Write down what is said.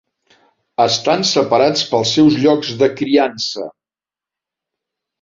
Estan separats pels seus llocs de criança.